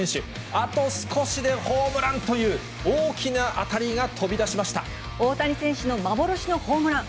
あと少しでホームランという、大谷選手の幻のホームラン。